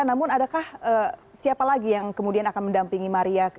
namun adakah siapa lagi yang kemudian akan mendampingi maria